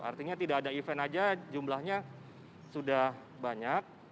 artinya tidak ada event aja jumlahnya sudah banyak